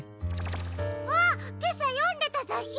あっけさよんでたざっしの！